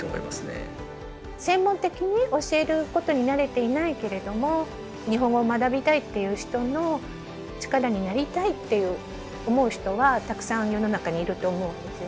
専門的に教えることに慣れていないけれども日本語を学びたいっていう人の力になりたいって思う人はたくさん世の中にいると思うんですよね。